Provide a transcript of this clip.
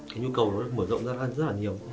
cái nhu cầu nó được mở rộng ra rất là nhiều